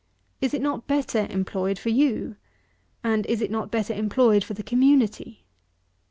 Is it not better employed for you? and is it not better employed for the community?